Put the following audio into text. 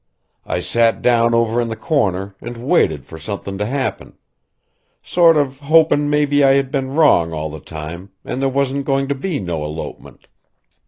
I sat down over in the corner and waited for somethin' to happen sort of hopin' maybe I had been wrong all the time and there wasn't going to be no elopement.